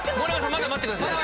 まだ待ってください。